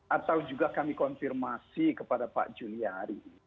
atau juga kami konfirmasi kepada pak juliari